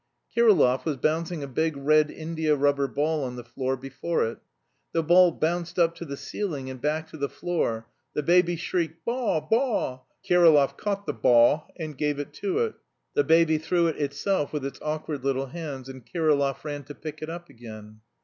Kirillov was bouncing a big red india rubber ball on the floor before it. The ball bounced up to the ceiling, and back to the floor, the baby shrieked "Baw! baw!" Kirillov caught the "baw", and gave it to it. The baby threw it itself with its awkward little hands, and Kirillov ran to pick it up again.